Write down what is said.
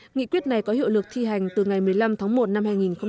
nghị quyết này có hiệu lực thi hành từ ngày một mươi năm tháng một năm hai nghìn hai mươi